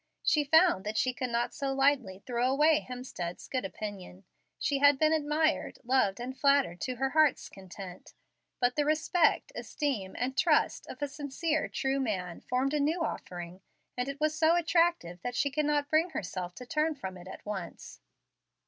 She found that she could not so lightly throw away Hemstead's good opinion. She had been admired, loved, and flattered to her heart's content, but the respect, esteem, and trust of a sincere, true man formed a new offering, and it was so attractive that she could not bring herself to turn from it at once.